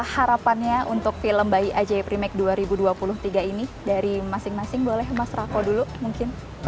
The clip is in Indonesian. harapannya untuk film bayi ajai premake dua ribu dua puluh tiga ini dari masing masing boleh mas rako dulu mungkin